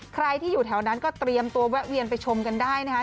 ใครที่อยู่แถวนั้นก็เตรียมตัวแวะเวียนไปชมกันได้นะคะ